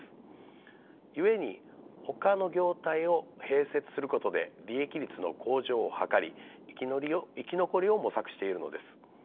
故にほかの業態を併設することで利益率の向上を図り生き残りを模索しているのです。